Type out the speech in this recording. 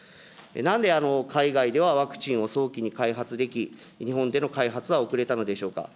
なんで海外ではワクチンを早期に開発でき、日本での開発は遅れたのでしょうか。